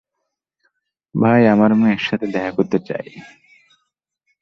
ভাই, আমার মেয়ের সাথে দেখা করতে চাই।